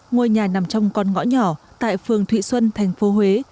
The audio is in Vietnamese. ngôi nhà nằm trong con ngõ nhỏ tại phường thụy xuân thành phố huế